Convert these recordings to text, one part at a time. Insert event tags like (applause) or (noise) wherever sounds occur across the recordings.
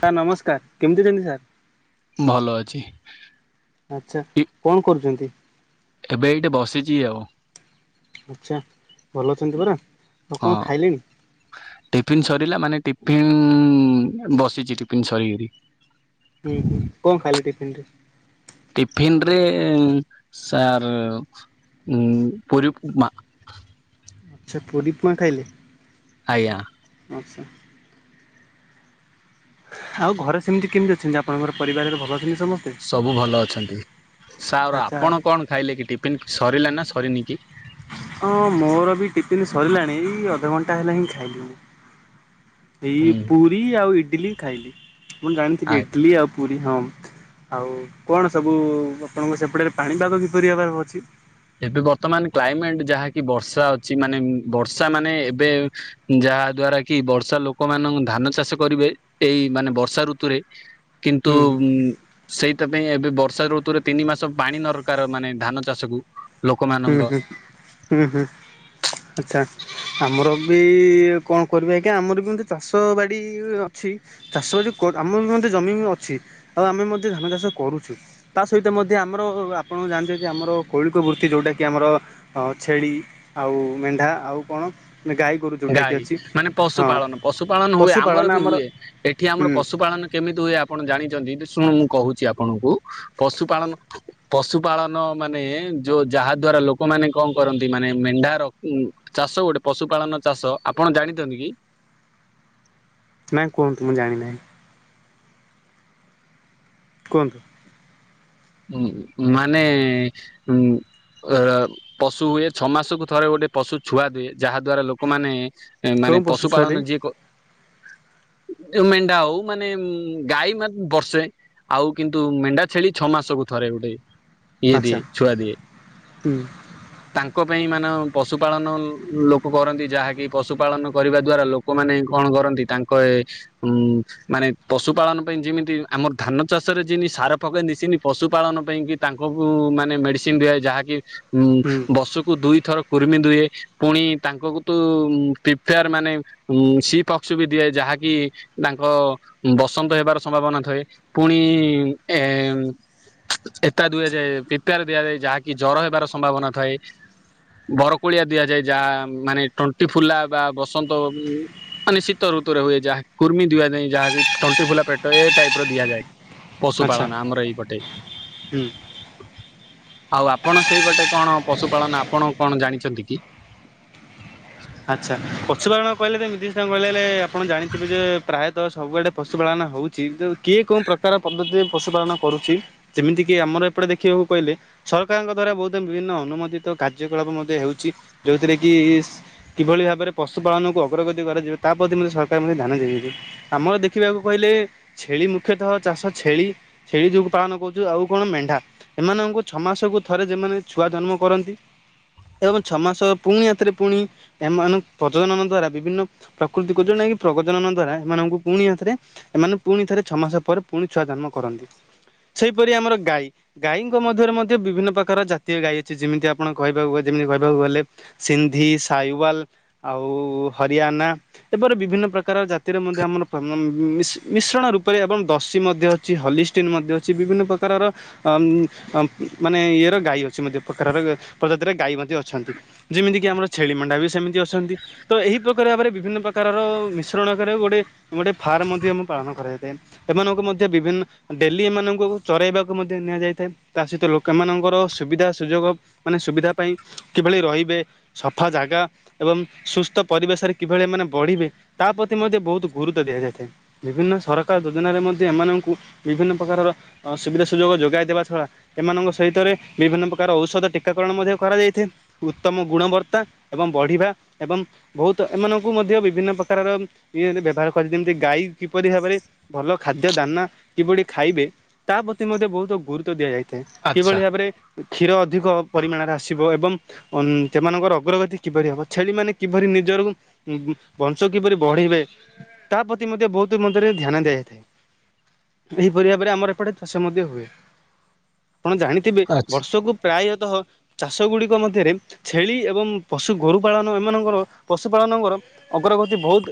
Sir ନମସ୍କାର କେମିତି ଦେନ୍ତି ସାର୍? ଭଲ ଅଛି। ଆଛା କଣ କରୁଛନ୍ତି? ଏବେ ଏଇଠି ବସିଛି ଆଉ। ଆଛା ଭଲ ଅଛନ୍ତି ପରା। ଆଉ ହଁ କଣ ଖାଇଲେଣି? ଟିଫିନ ସରିଲା ମାନେ ପିନ୍ ବସିଛି ଟିପିନ୍ ସରି ଗରି। ହୁଁ ହୁଁ କଣ ଖାଇଲି ଟିଫିନ୍ ରେ। ଟିଫିନରେ ସାର୍ ଉଁ ପୁରି ଉପମା। ଆଚ୍ଛା ପୁରୀ ଉପମା ଖାଇଲେ। ଆଜ୍ଞା। ଆଚ୍ଛା। ଆଉ ଘରେ ସେମିତି କେମିତି ଅଛନ୍ତି। ଆପଣଙ୍କର ପରିବାରରେ ଭଲ ସେମିତି? ସବୁ ଭଲ ଅଛନ୍ତି। ସାର ଆଚ୍ଛା ଆପଣ କଣ ଖାଇଲେ କି ଟିଫିନ ସରିଲେ ନା ସରିନି କି? ହଁ ମୋର ବି ଟିଫିନ ସରିଲାଣି। ଏଇ ଅଧଘଣ୍ଟା ହେଲାଣି ହିଁ ଖାଇଲିଣି। ଏଇ ହୁଁ ପୁରୀ ଆଉ ଇଟିଲିି ଖାଇଲି। ଆପଣ ଜାଣିଥିବେ ଆଜ୍ଞା ଇଟିଲିି ଆଉ ପୁରୀ ହଁ ଆଉ କଣ ସବୁ ଆପଣଙ୍କ ସେପଟେ ପାଣିପାଗ କିପରି ହେବାର ଅଛି? ଏବେ ବର୍ତ୍ତମାନ କ୍ଲାଇମେଟ ଯାହାକି ବର୍ଷା ଅଛି। ମାନେ ବର୍ଷା ମାନେ ଏବେ ଯା ଯାହା ଦ୍ଵାରା କି ବର୍ଷା ଲୋକମାନଙ୍କୁ ଧାନ ଚାଷ କରିବେ। ଏଇ ମାନେ ବର୍ଷା ଋତୁରେ। କିନ୍ତୁ ହୁଁ ସେଇ ସେଥି ପାଇଁ ଏବେ ବର୍ଷା ଋତୁରେ ତିନି ମାସ ପାଣି ଦରକାର ମାନେ ଧାନ ଚାଷକୁ। ହୁଁ ଲୋକମାନଙ୍କ ହୁଁ ହୁଁ ହୁଁ ଆଚ୍ଛା। ଆମର ବି କଣ କରିବେ ଆଜ୍ଞା। ଆମର ବିମତି ଚାଷ ବାଡି ଅଛି। ଚାଷ ଆମ ବି ମଧ୍ୟ ଜମି ଅଛି। ଆଉ ଆମେ ମଧ୍ୟ ଧାନ ଚାଷ କରୁଛୁ। ତା ସହିତ ମଧ୍ୟ ଆମର ଆପଣ ଜାଣି ଯେ ଆମର କୌଳିକ ବୃ ଯୋଉଟାକି ଆମର ଛେଳି ଆଉ ମେଣ୍ଢା ଆଉ କଣ? ଗାଈ ଗୋରୁ ଯୋଉଟାକି ଗାଈ ଅଛି। ମାନେ ହଁ ପଶୁପାଳନ ପଶୁପାଳନ ହୁଏ। ଆମର ବି ହୁଏ। ଏଠି ଆମର ହୁଁ ପଶୁପାଳନ କେମିତି ହୁଏ। ଆପଣ ଜାଣିଛନ୍ତି ଶୁଣୁ କହୁଛି ଆପଣଙ୍କୁ ପଶୁପାଳନ ପଶୁପାଳନ ମାନେ ଯୋଉ ଯାହା ଦ୍ଵାରା ଲୋକଙ୍କୁ ମାନେ କଣ କରନ୍ତି ମାନେ ମେଣ୍ଢାର ଚାଷ ଗୋଟେ ପଶୁପାଳନ ଚାଷ ଆପଣ ଜାଣିଛନ୍ତି କି? ନାଇଁ କୁହନ୍ତୁ ମୁଁ ଜାଣିନାହିଁ। କୁହନ୍ତୁ। ହ ମାନେ ଉଁ ଅ ପଶୁ ହୁଏ ଛଅ ମାସକୁ ଥରେ ଗୋଟେ ପଶୁ ଛୁଆ ଦିଏ। ଯାହା ଦ୍ଵାରା ଲୋକମାନେ କେଉଁ ମାନେ ପଶୁ ଛୁଆ ଦେଇ ପାଳନ ଯିଏ (inaudible) ମେଣ୍ଢା ହଉ ମାନେ ଗାଈ ମାନେ ବର୍ଷେ ଆଉ କିନ୍ତୁ ମେଣ୍ଢା ଛେଳି ଛଅ ମାସକୁ ଥରେ ଗୋଟେ। ଇଏ ଆଚ୍ଛା ଦିଏ ଛୁଆ ଦିଏ ହୁଁ । ତାଙ୍କ ପାଇଁ ମାନେ ପଶୁପାଳନ ଲୋକ କରନ୍ତି। ଯାହାକି ପଶୁପାଳନ କରିବା ଦ୍ଵାରା ଲୋକମାନେ କଣ କରନ୍ତି ତାଙ୍କ ଏ ହୁଁ ମାନେ ପଶୁପାଳନ ପାଇଁ ଯେମିତି ଆମର ଧାନ ଚାଷରେ ଯେନ୍ତି ସାର ପକାନ୍ତି ସେନ୍ତି ପଶୁପାଳନ ପାଇଁ କି ତାଙ୍କକୁ ମାନେ ମେଡିସିନ୍ ଦିଆ ଯାହାକି ହୁଁ ବର୍ଷକୁ ଦୁଇଥର କୁରମିନ୍ ଦୁଏ ପୁଣି ତାଙ୍କକୁ ତୁ ପ୍ରିପେୟାର ମାନେ ସି ପକ୍ସ ବି ଦିଏ ଯାହାକି ତାଙ୍କ ବସନ୍ତ ହେବାର ସମ୍ଭାବନା ଥାଏ । ପୁଣି ଏ ଏତା ଦୁଆଯାଏ, ପିପ୍ରେୟାର ଦିଆଯାଏ, ଯାହାକି ଜର ହେବାର ସମ୍ଭାବନା ଥାଏ। ବରକୋଳିଆ ଦିଆଯାଏ ଯାହା ମାନେ ତଣ୍ଟି ଫୁଲା ବା ବସନ୍ତ ମାନେ ଶୀତରୁ ଋତୁରେ ହୁଏ । ଯାହା କୁର୍ମି ଦୁଆ ନାହିଁ ଯାହାକି ଟଣ୍ଟି ଫୁଲା ପେଟ ଏ ଟାଇପ୍ ର ଦିଆଯାଏ। ପଶୁ ଆଚ୍ଛା ପାଳନ ଆମର ଏଇପଟେ ହୁଁ। ଆଉ ଆପଣ ସେଇ ଗୋଟେ କ'ଣ ପଶୁପାଳନା ଆପଣ କ'ଣ ଜାଣିଛନ୍ତି କି? ହ (inaudible) ଆଚ୍ଛା ପଶୁପାଳନ କହିଲେରେ (unintelligible) ଆପଣ ଜାଣିଥିବେ ଯେ ପ୍ରାୟତଃ ସବୁଆଡେ ପଶୁପାଳନ ହଉଛି । କିଏ କୋଉ ପ୍ରକାର ପଦ୍ଧତିରେ ପଶୁପାଳନ କରୁଛି ଯେମିତି କିି ଆମର ଏପଟେ ଦେଖିବାକୁ କହିଲେ ସରକାରଙ୍କ ଦ୍ଵାରା ବହୁତ ବିଭିନ୍ନ ଅନୁମୋଦିତ କାର୍ଯ୍ୟକଳାପ ମଧ୍ୟ ହେଉଛି ଯୋଉଥିରେ କି କିଭଳି ଭାବରେ ପଶୁପାଳନକୁ ଅଗ୍ରଗତି କରାଯିବ ତା ପ୍ରତି ମଧ୍ୟ ସରକାର ମଧ୍ୟ ଧ୍ୟାନ ଦେଇ ଦେଇଛି ଆମର ଦେଖିବାକୁ କହିଲେ ଏ ଛେଳି ମୁଖ୍ୟତଃ ଚାଷ ଛେଳି ଛେଳି ଯୋଗୁ ପାଳନ କରୁଛୁ ଆଉ କ'ଣ ମେଣ୍ଢା ଏମାନଙ୍କୁ ଛ ଛଅ ମାସକୁୁ ଥରେ ଯେ ମାନେ ଛୁଆ ଜନ୍ମ କରନ୍ତି ଏବଂ ଛଅ ମାସ ପୁଣି ହାତରେ ପୁଣି ଏମାନଙ୍କ୍ ପ୍ରଜନନ ଦ୍ଵାରା ବିଭିନ୍ନ ପ୍ରକୃତିକ (unintelligible) ପ୍ରଜନନ ଦ୍ଵାରା ଏମାନଙ୍କୁ ପୁଣି ହାତରେ ଏମାନେ ପୁଣି ଥରେ ଛଅ ମାସ ପରେ ପୁଣି ଛୁଆ ଜନ୍ମ କରନ୍ତି। ସେହିପରି ଆମର ଗାଈ ଗାଈଙ୍କ ମଧ୍ୟରେ ମଧ୍ୟ ବିଭିନ୍ନ ପ୍ରକାର ଜାତୀୟ ଗାଈ ଅଛି । ଯେମିତି ଆପଣ କହିବାକୁ କୁହାଯେ ଏମିତି କହିବାକୁ ଗଲେ ସିନ୍ଧି ସା୍ ସାହିୱାଲ ଆଉ ହରିୟାନା ଏବର ବିଭିନ୍ନ ପ୍ରକାର ଜାତିର ମଧ୍ୟ ଆମର ଫମ୍ ମିଶ୍ ମିଶ୍ରଣ ରୂପରେ ଏବଂ ଦସୀ ମଧ୍ୟ ଅଛି ହଲିଷ୍ଟିନ୍ ମଧ୍ୟ ଅଛି ବିଭିନ୍ନ ପ୍ରକାରର ଅ ହୁଁ ଅମ୍ ମାନେ ଇଏର ଗାଈ ଅଛି ମଧ୍ୟ ପ୍ରକାରର ପ୍ରଜାତିର ଗାଈ ମଧ୍ୟ ଅଛନ୍ତି ଯେମିତି କିି ଆମର ଛେଳି ମେଣ୍ଡା ବି ସେମିତି ଅଛନ୍ତି । ତ ଏହି ପ୍ରକାର ଭାବରେ ବିଭିନ୍ନ ପ୍ରକାରର ମିଶ୍ରଣ କରିବାକୁ ଗୋଟେ ଗୋଟେ ଫା ତାର ମଧ୍ୟ ଆମ ପାଳନ କରାଯାଇଥାଏ । ଏମାନଙ୍କୁ ମଧ୍ୟ ବିଭିନ୍ନ ଡେଲି ଏମାନଙ୍କୁ ଚରାଇବାକୁ ମଧ୍ୟ ନିଆଯାଇଥାଏ। ତା ସହିତ ଲୋକମାନଙ୍କର ସୁବିଧା ସୁଯୋଗ ମାନେ ସୁବିଧା ପାଇଁ କିଭଳି ରହିବେ ସଫା ଜାଗା ଏବଂ ସୁସ୍ଥ ପରିବେଶରେ କିଭଳି ଏମାନେ ବଢିବେ ତା ପ୍ରତି ମଧ୍ୟ ବହୁତ ଗୁରୁତ୍ୱ ଦିଆ ଦିଆଯାଇଥାଏ । ବିଭିନ୍ନ ସରକାର ଯୋଜନାରେ ମଧ୍ୟ ଏମାନଙ୍କୁ ବିଭିନ୍ନ ପ୍ରକାରର ଅ ସୁବିଧା ସୁଯୋଗ ଯୋଗାଇ ଦେ ଏବା ଛଡା ଏମାନଙ୍କ ସହିତରେ ବିଭିନ୍ନ ପ୍ରକାର ଔଷଧ ଟିକାକରଣ ମଧ୍ୟ କରାଯାଇଥାଏ । ଉତ୍ତମ ଗୁଣବର୍ତ୍ତ ତା ଏବଂ ବଢିବା ଏବଂ ବହୁତ ଏମାନଙ୍କୁ ମଧ୍ୟ ବିଭିନ୍ନ ପ୍ରକାରର ଇଏ ଏମିତି ବ୍ୟବହାର କରେ ଯେମତି ଗାଈ କିପରି ଭାବରେ ଭଲ ଖାଦ୍ୟ ଦାନା କିଭଳି ଖାଇବେ ତା ପ୍ରତି ମଧ୍ୟ ବହୁତ ଗୁରୁତ୍ୱ ଦିଆଯାଇ ଆଚ୍ଛା କିଭଳି ଭାବରେ କ୍ଷୀର ଅଧିକ ପରିମାଣାରା ଆସିବ ଏବଂ ହୁଁ ସେମାନଙ୍କର ଅଗ୍ରଗତି କିପରି ହବ ଛେଳି ମାନେ କିପରି ନିଜର ବଂଶ କିପରି ବଢିବେ ତା ପ୍ରତି ଏ ମଧ୍ୟ ବହୁତ ମଧ୍ୟରେ ଧ୍ୟାନ ଦିଆଯାଇଥାଏ। ଏହିପରି ଭାବରେ ଆମର ଏପଟେ ଚାଷ ମଧ୍ୟ ହୁଏ। ଆପଣ ଜାଣିଥିବେ ଆଚ୍ଛା। ବର୍ଷକୁ ପ୍ରାୟତଃ ଚାଷ ଗୁଡ଼ିକ ମଧ୍ୟରେ ଛେଳି ଏବଂ ପଶୁ ଗୋରୁ ପାଳନ ଏମାନଙ୍କର ପଶୁପାଳନଙ୍କର ଅଗ୍ରଗତି ବହୁତ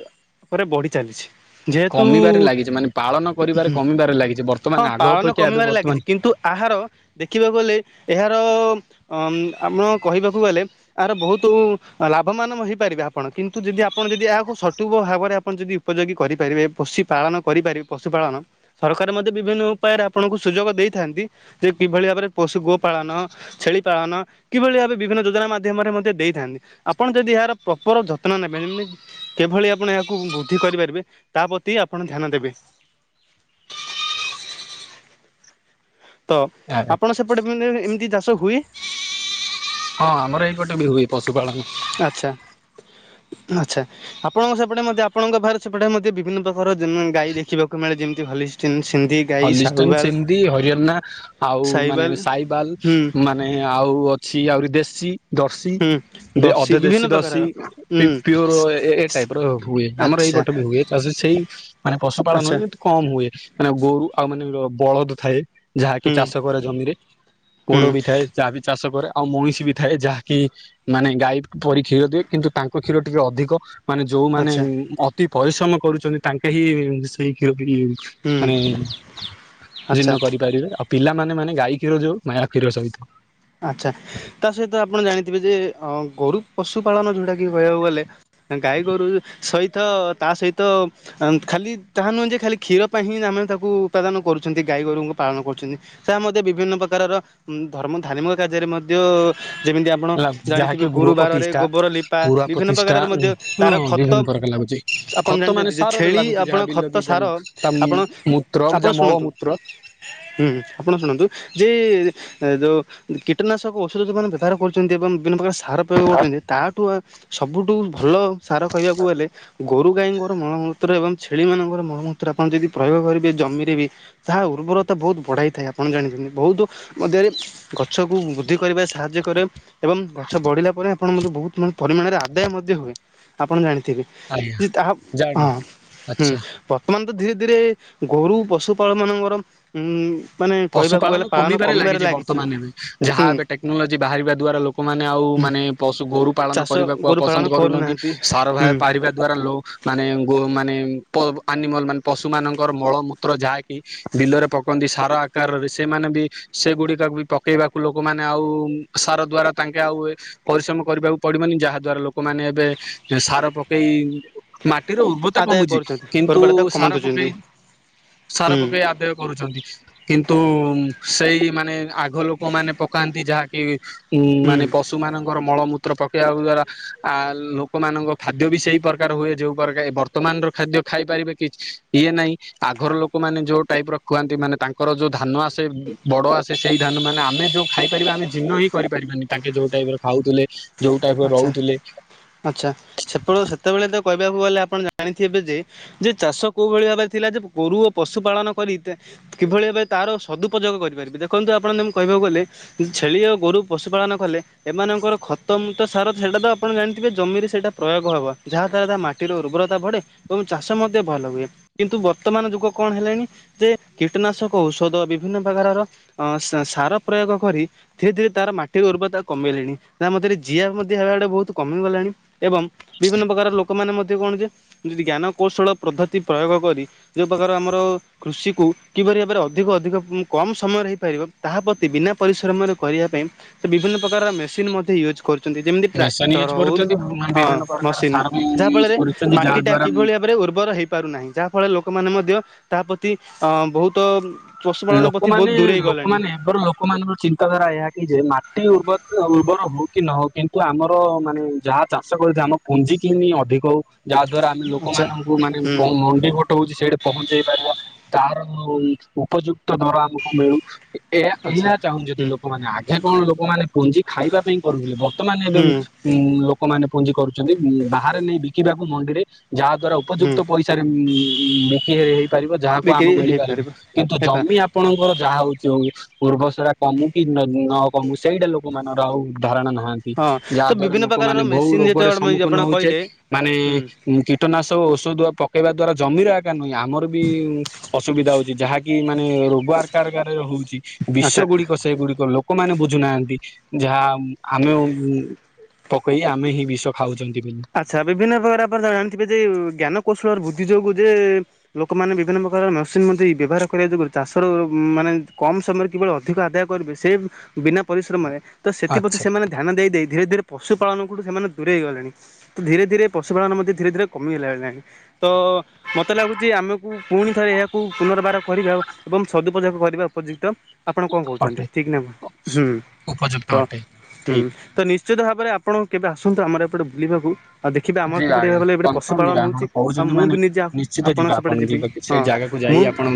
ଭାବରେ ବଢ଼ି ଚାଲିଛି। ଯେହେତୁ, କମିବାରେ ଲାଗିଛି ମାନେ ପାଳନ କରିବାରେ କମିବାରେ ଲାଗିଛି ବର୍ତ୍ତମାନ ହଁ ଆଗ ପାଳନ ଅପେକ୍ଷା ଏବେ କମିବାରେ ବର୍ତ୍ତମାନ ଲାଗିଛି କିନ୍ତୁ ଆହାର ଦେଖିବାକୁ ଗଲେ ଏହାର ଅମ୍ ଆପଣ କହିବାକୁ ଗଲେ ଏହାର ବହୁତ ତୁ ଲାଭମାନ ହେଇପାରିବେ ଆପଣ କିନ୍ତୁ ଯଦି ଆପଣ ଯଦି ଏହାକୁ ସଠିକ ଭାବରେ ଆପଣ ଯଦି ଉପଯୋଗୀ କରିପା୍ ପାରିବେ ପଶିପାଳନ କରିପାରିବେ ପଶୁପାଳନ ସରକାର ମଧ୍ୟ ବିଭିନ୍ନ ଉପାୟରେ ଆପଣଙ୍କୁ ସୁଯୋଗ ଦେଇଥାନ୍ତି। ଯେ କିଭଳି ଭାବରେ ପଶୁ ଗୋପାଳନ ଛେଳିପାଳନ କିଭଳି ଭାବେ ବିଭିନ୍ନ ଯୋଜନା ମାଧ୍ୟମରେ ମଧ୍ୟ ଦେଇ ଥାନ୍ତି ଆପଣ ଯଦି ଏହାର ପ୍ରପର ଯତ୍ନ ନେବେ (unintelligible) କିଭଳି ଆପଣ ଏହାକୁ ବୃଦ୍ଧି କରିପାରିବେ । ତା ପ୍ରତି ଆପଣ ଧ୍ୟାନ ଦେବେ। ତ ଆପଣ ସେପଟେ (unintelligible) ଏମିତି ଚାଷ ହୁଏ? ହଁ ଆମର ଏଇ ପଟେ ବି ହୁଏ ପଶୁପାଳନ। ଆଚ୍ଛା ଆଚ୍ଛା, ଆପଣଙ୍କ ସେପଟେ ମଧ୍ୟ ଆପଣଙ୍କ ପାଖରେ ସେପଟେ ମଧ୍ୟ ବିଭିନ୍ନ ପ୍ରକାର ଯେନ୍ୟନି ଗାଈ ଦେଖିବାକୁ ମିଳେ ଯେମତି ହଲିଷ୍ଟିନ୍ । ହଲିଷ୍ଟାନ ସିନ୍ଧି ହରିୟଣା ଆଉ ମାନେ ସାହିବାଲ ହୁଁ ସାଇବାଲ ମାନେ ଆଉ ଅଛି ଆହୁରି ଦେଶୀ ହୁଁ । ଅଧ ଦେଶୀ ଦଶୀ ପିଅର୍ ଏ ଏ ଟାଇପ ର ହୁଏ ଆମର ଆଚ୍ଛା ଏଇପଟେ ବି ହୁଏ ଚାଷ ସେଇ ମାନେ ପଶୁପାଳନ ଆଚ୍ଛା ହୁଏ କମ ହୁଏ ମାନେ ଗୋରୁ ଆଉ ମାନେ ବଳଦ ଥାଏ। ଯାହାକି ହୁଁ ଚାଷ କରେ ଜମିରେ ହୁଁ ପୋଡ ବି ଥାଏ ଯାହାବି ଚାଷ ରେ ଆଉ ମଇଁଷି ବି ଥାଏ ଯାହାକି ମାନେ ଗାଈ ପରି କ୍ଷୀର ଦିଏ କିନ୍ତୁ ତାଙ୍କ କ୍ଷୀର ଟିକେ ଅଧିକ ମାନେ ଯୋଉମାନେ ଆଚ୍ଛା ଅତି ପରିଶ୍ରମ କରୁଛନ୍ତି ତାଙ୍କେ ହିଁ ସେଇ ଖି ହୁଁ ମାନେ ଜିର୍ଣ୍ଣ ଆଚ୍ଛା କରିପାରିବେ ଆ ପିଲାମାନେ ମାନେ ଗାଈ କ୍ଷୀର ଯୋଉ ମାୟା କ୍ଷୀର ସହିତ ଆଛା ତା ସହିତ ଆପଣ ଜାଣିଥିବେ ଯେ ଅ ଗୋରୁ ପଶୁ ପାାଳନ ଯୋଉଟା କି କହିବାକୁ ଗଲେ ଗାଈ ଗୋରୁ ସହିତ ତା ସହିତ ଖାଲି ତାହା ନୁହେଁ ଯେ ଖାଲି କ୍ଷୀର ପାଇଁ ହିଁ ଆ ମାନେ ତାକୁ ଉତ୍ପାଦାନ କରୁଛନ୍ତି ଗାଈ ଗୋରୁଙ୍କୁ ପାଳନ କରୁଛନ୍ତି ତା ମଧ୍ୟ ବିଭିନ୍ନ ପ୍ରକାରର ଧର୍ମ ଧାର୍ମିକ କାର୍ଯ୍ୟରେ ମଧ୍ୟ ଯେମିତି ଆପଣ ହେଲା ଜାଣିଥିବେ ଯାହାକି ଗୁରୁବାରରେ ଗୃହପତିଷ୍ଠା ଗୋବର ଲିପା ଗୁଆ ବିଭିନ୍ନ ପ୍ରତିଷ୍ଠା ପ୍ରକାରର ମଧ୍ୟ ଉଁ ତାର ହଁ ଖତ ବିଭିନ୍ନ ପ୍ରକାର ଲାଗୁଛି ଆପଣ ଖତ ମାନେ ଜାଣିଛନ୍ତି ଯେ ସାରରେ ଛେଳି ଲାଗୁଛି ଆପଣ ଯାହା ବିଲ ଖତ କି ସାର ଯାହା ତା ଆପଣ ମୂତ୍ର ଆପଣ ଯାହା ଶୁଣନ୍ତୁ! ମଳମୂତ୍ର ହୁଁ ଆପଣ ଶୁଣନ୍ତୁ ଯେ ଏ ଯୋଉ କୀଟନାଶକ ଔଷଧ ଯୋଉମାନେ ବ୍ୟବହାର କରୁଛନ୍ତି ଏବଂ ବିଭିନ୍ନ ପ୍ରକାର ସାର ପ୍ରୟୋଗ କରୁଛନ୍ତି ତାଠୁ ସବୁଠୁ ଭଲ ସାର କହିବାକୁ ଗଲେ? ଗୋରୁ ଗାଈଙ୍କର ମଳମୂତ୍ର ଏବଂ ଛେଳିମାନଙ୍କର ମଳମୂତ୍ର ଆପଣ ଯଦି ପ୍ରୟୋଗ କରିବେ ଜମିରେ ବି ତାହା ଉ ଉର୍ବରତା ବହୁତ ବଢ଼ାଇଥାଏ ଆପଣ ଜାଣିଛନ୍ତି ବହୁତ ମଧ୍ୟରେ ଗଛକୁ ବୃଦ୍ଧି କରିବାରେ ସାହାଯ୍ୟ କରେ ଏବଂ ଗଛ ବଢ଼ିଲା ପରେ ଆପଣ ମଧ୍ୟ ବହୁତ ପରିମାଣରେ ଆଦାୟ ମଧ୍ୟ ହ ଆପଣ ଜାଣିିଥିବେ ଆଜ୍ଞା ଜାଣି ଆଚ୍ଛା ବର୍ତ୍ତମାନ ଧୀରେ ଧୀରେ ଗୋରୁ ପଶୁପାଳ ମାନଙ୍କର ଉ ମାନେ କହିବାକୁ ଗଲେ ପାଳନ କମିବାରେ ଲାଗିଛି ଯାହା ହୁଁ ଏବେ ଟେକ୍ନୋଲୋଜି ବାହାରିବା ଦ୍ଵାରା ଲୋକମାନେ ଆଉ ହୁଁ ମାନେ ପୋଷୁ ଗୋରୁ ପାଳନ ଚାଷ କରିବାକୁ ଆଉ ଗୋରୁ ପସନ୍ଦ ପାଳନ କର କରୁନାହାନ୍ତି ସାର ଭ ହୁଁ। ପାରିବା ଦ୍ଵାରା ଲ ମାନେ ଗୋ ମାନେ ଆନିମଲ ମାନେ ପଶୁ ମାନଙ୍କର ମଳମୂତ୍ର ଯାହାକି ବିଲରେ ପକାନ୍ତି ସାର ରେ ସେମାନେ ବି ସେଗୁଡିକା ବି ପକେଇବାକୁ ଲୋକମାନେ ଆଉ ସାର ଦ୍ଵାରା ତାଙ୍କେ ଆଉ ପରିଶ୍ରମ କରିବାକୁ ପଡିବନି ଯାହା ଦ୍ଵାରା ଲୋକମାନେ ଏବେ ସାର ପକେଇ ମାଟିର ଉର୍ବରତା ଆଦାୟ କମୁଛି କରୁଛନ୍ତି କିନ୍ତୁ ଗୋରୁବାଟ ତାକୁ କମେଇ ସାର ଦଉଛନ୍ତି ପକେଇ ସାରା ହୁଁ ପକେଇ ଆଦାୟ କରୁଛନ୍ତି କିନ୍ତୁ ସେଇ ମାନେ ଆଗ ଲୋକମାନେ ପକାନ୍ତି ଯାହାକି ଉଁ ହୁଁ ମାନେ ପଶୁ ମାନଙ୍କର ମଳମୂ ପତ୍ର ପକେଇବା ଦ୍ଵାରା ଆ ଲୋକମାନଙ୍କ ଖାଦ୍ୟ ବି ସେଇ ପ୍ରକାର ହୁଏ ଯୋଉ ପ୍ରକାର ବର୍ତ୍ତମାନର ଖାଦ୍ୟ ଖାଇ ପାରିବେ କି ଇଏ ନାଇଁ ଆଗର ଲୋକମାନେ ଯୋଉ ଟାଇପ ର ଖୁଆନ୍ତି ମାନେ ତାଙ୍କ ଙ୍କର ଯୋଉ ଧାନ ଆସେ ବଡ ଆସେ ସେଇ ଧାନ ମାନେ ଆମେ ଯୋଉ ଖାଇପାରିବା ଆମେ ଜିର୍ନ ହିଁ କରିପାରିବାନି, ତାଙ୍କେ ଯୋଉଟା ଖାଉଥିଲେ ଯୋଉ ଟାଇପ ର ଆଛା ରହୁଥିଲେ ଆଛା ସେ ସେତେବେଳେ ତ କହିବାକୁ ଗଲେ ଆପଣ ଜାଣିଥିବେ ଯେ ଯେ ଚାଷ କୋଉ ଭଳି ଭାବରେ ଥିଲା ଯେ ଗୋରୁ ଓ ପଶୁ ପାାଳନ କରି କିଭଳି ଏ ତାର ସଦୁପଯୋଗ କରିପାରିବି ଦେଖନ୍ତୁ ଆପଣ ଯେକୁ କହିବାକୁ ଗଲେ ଛେଳି ଓ ଗୋରୁ ପଶୁପାଳନ କଲେ ଏମାନଙ୍କର ଖତମ ତ ସାର ସେଟା ତ ଆପଣ ଜାଣିଥିବେ ଜମିରେ ସେଇଟା ପ୍ରୟୋଗ ହବ ଯାହା ଦଵାରା ତା ମାଟିର ଉର୍ବରତା ବଢେ ଏବଂ ଚାଷ ମଧ୍ୟ ଭଲ ହୁଏ କିନ୍ତୁ ବର୍ତ୍ତମାନ ଯୁଗ କଣ ହେଲେଣି ଯେ କୀଟନାଶକ ଔଷଧ ବିଭିନ୍ନ ପ୍ରକାର ସାର ପ୍ରୟୋଗ କରି ଧୀରେ ଧୀରେ ତାର ମାଟିର ଉର୍ବରତା କମେଇଲେଣି ତା ମଧ୍ୟରେ ଜିଆ ମଧ୍ୟ ହେବା ଗଡ଼େ ବହୁତ କମିଗଲାଣି ଏବଂ ବିଭିନ୍ନ ପ୍ରକାର ଲୋକମାନେ ମ ଯଦି କଣ ଜେ ଯଦି ଜ୍ଞାନ କୌଶଳ ପଦ୍ଧତି ପ୍ରୟୋଗକରି ଯୋ ପ୍ରକାର ଆମର ଜ କୃଷିକୁ କି ଅଧିକ କମ ସମୟରେ ହେଇପାରିବ ତାହା ପ୍ରତି ବିନା ପରିଶ୍ରମରେ କରିବା ପାଇଁ ତୋ ବିଭିନ୍ନ ପ୍ର ମେସିନ୍ ମଧ୍ୟ ୟୁଜ୍ କରୁ ଯେମିତି ମେସିନ ଟ୍ରାକ୍ଟର ୟୁଜ ହଉ, କରୁଛନ୍ତି ହଁ ବିଭିନ୍ନ ପ୍ରକାର ମସିନ୍ ସାର ବି ଯାହା ୟୁଜ ଫଳରେ କରୁଛନ୍ତି ଯାହା ମାଟି ଟା ଦ୍ଵାରା କିଭଳି ଭାବରେ ଉର୍ବର ହେଇ ପାରୁନାହିଁ ଯାହା ଫଳ ଲୋକମାନେ ମଧ୍ୟ ତା ପ୍ରତି ଅ ବହୁତ ପଶୁପାଳନ ପ୍ରତି ବହୁତ ଲୋକମାନେ ଦୂରେଇ ଗଲେଣି ଲୋକମାନେ ୟାଙ୍କର ଲୋକମାନଙ୍କ ଚିନ୍ତାଧାରା ଏହା କି ଯେ ମା ଉ ଉର୍ବର ହଉ କି ନ ହଉ କିନ୍ତୁ ଆମର ମାନେ ଯାହା ଚାଷ କରଛି ଆମ ପୁଞ୍ଜି କିିମି ଅ ଅଧିକ ହଉ ଯାହା ଦ୍ଵାରା ଆମେ ଆଚ୍ଛା ଲୋକମାନଙ୍କୁ ମାନେ ହୁଁ ମଣ୍ଡି ଭୋଟ ହଉଛି ସେଇଠି ପହଞ୍ଚେଇ ପାରିବା। ତା ଉପଯୁକ୍ତ ଦର ଆମକୁ ମିଳୁ। ଏହା ଆଚ୍ଛା ଏହା ଚାହୁଁଛନ୍ତି ହୁଁ ଲୋକମାନେ। ଆଗେ କଣ ଲୋକମାନେ ପୁଞ୍ଜି ଖାଇବା ପାଇଁ କରୁଥିଲେ। ବର୍ତ୍ତମାନ ଏବେ ହୁଁ ଉ ଲୋକମାନେ ପୁଞ୍ଜି କରୁଛନ୍ତି ବାହାରେ ନେଇ ବିକିବାକୁ। ମଣ୍ଡିରେ। ଯାହା ଦ୍ଵାରା ହୁଁ ଉପଯୁକ୍ତ ପଇସାରେ ବିକି ହେଇପାରିବ। ଯାହାକୁ ଆମ ବିକ୍ରି ମିଳିପାରିବ। ହେଇପାରିବ। କିନ୍ତୁ ହେପା ଜମି ଆପଣଙ୍କର ଯାହା ହଉଛି ହୋଉ। ପୂର୍ବସରା କମୁଟି କି ନ କମୁ ସେଇଟା ଲୋକମାନଙ୍କର ଆଉ ଧାରଣା ନାହାନ୍ତି ହଁ ତ ଯାହା ଦ୍ଵାରା ବିଭିନ୍ନ ପ୍ରକାରର ଲୋକମାନେ ବହୁ ମେସିନ୍ ରୋଗରେ ଯେତେବେଳେ ସମ୍ମୁଖୀନ ଆପଣ ହଉଛେ। କହିଲେ ମାନେ ହୁଁ କି କୀଟନାଶକ ଔଷଧ ପକେଇବା ଦ୍ଵାରା ଜମିର ଏକା ନୁହେଁ। ଆମର ବି ଅସୁବିଧା ହଉଛି ଯାହାକି ମାନେ ରୋଗ ଆରକାରଗାରରେ ହଉଛି ବିଷ ଆଚ୍ଛା ଗୁଡିକ ସେଗୁଡିକ ଲ ଲୋକମାନେ ବୁଝୁନାହାନ୍ତି ଯାହା ଆମେ ପକେଇ ଆମେ ହିଁ ବିଷ ଖାଉଛନ୍ତି। ବୋଲି ଆଚ୍ଛା ବିଭିନ୍ନ ପ୍ରକାର ଆପଣ ଜାଣିଥିବେ ଯେ ଜ୍ଞାନ କୌଶଳର ବୃଦ୍ଧି ଯୋଗୁ ଯେ ଲୋକମାନେ ବିଭିନ୍ନ ପ୍ରକାର ନ ମଧ୍ୟ ବ୍ୟବହାର କରିବା ଯୋଗୁ ଚାଷର ମାନେ କମ ସମୟରେ କିବଳ ଅଧିକ ଆଦାୟ କରିବେ। ସେ ବିନା ପରିଶ୍ରମରେ ତ ସେଥିପ୍ରତି ଆଚ୍ଛା ସେମାନେ ଧ୍ୟାନ ଦେଇ ଦେଇ ଧୀରେ ଧୀରେ ପଶୁପାଳନ କଠୁ ସେମାନେ ଦୂରେଇ ଗଲେଣି। ଧୀରେ ଧୀରେ ପଶୁପାଳନ ମଧ୍ୟ ଧୀରେ ଧୀରେ କମିଗଲା ନାହିଁ। ତ ମତେ ଲାଗୁଛି ଆମକୁ ପୁଣି ଥରେ ଏହାକୁ ପୁନର୍ବାର କରିବା ଏବଂ ସଦୁପଯୋଗ କରିବା ଉପଯୁକ୍ତ। ଆପଣ କଣ କହୁଛନ୍ତି ଅଟେ ଠିକ୍ ନା ଭୁଲ। ହୁଁ ଉପଯୁକ୍ତ ତ ଅଟେ ହଁ ଠିକ ତ ନି ନିଶ୍ଚିତ ଭାବରେ ଆପଣ କେବେ ଆସନ୍ତୁ ଆମର ଏପଟେ ବୁଲିବାକୁ। ଆଉ ଦେଖିବେ ଆମର ଯିବା କିପଟେ ଆଜ୍ଞା ଏବେଟେ କନଫର୍ମ ପଶୁପାଳନ ଯିବା ଆପଣ ହଉଛି। ଆଉ କହୁଛନ୍ତି ମୁଁ ମାନେ ବି ନିଜେ ନିଶ୍ଚିତ ଆପଣ ଯିବା ସେପଟେ ଯିବି। ଯିବା ସେ ହଁ। ଜାଗାକୁ ମୁଁ ଯାଇ ଆପଣ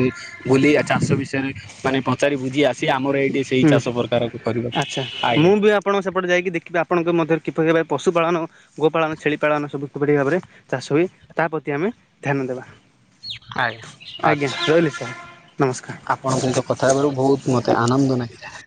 ବୁଲି ଚାଷ ବିଷୟରେ ମାନେ ପଚାରି ବୁଝି ଆସି ଆମର ଏଇଠି ସେଇ ହୁଁ ଚାଷ ପ୍ରକାରକୁ କରିବାକୁ ଆଚ୍ଛା ଆଜ୍ଞା। ମୁଁ ବି ଆପଣଙ୍କ ସେପଟେ ଯାଇକି ଦେଖିବି ଆପଣଙ୍କ ମଧ୍ୟରେ କିପରି ଭାବେ ପଶୁପାଳନ ଗୋ ପାଳନ ଛେଳି ପାଳନ ସବୁ ଖୁପରି ଭାବରେ ଚାଷ ହୁଏ। ତା ପ୍ରତି ଆମେ ଧ୍ୟାନ ଦେବା। ଆଜ୍ଞା ଆଜ୍ଞା ଆଛା ରହିଲି ସାର୍ ନମସ୍କାର। ଆପଣଙ୍କ ସହିତ କଥା ହେବାରୁ ବହୁତ ମତେ ଆନନ୍ଦ ନାଗିଲା।